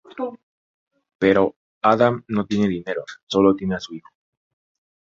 Pero Adam no tiene dinero, solo tiene a su hijo.